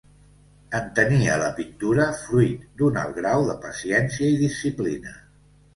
Entenia la pintura fruit d'un alt grau de paciència i disciplina.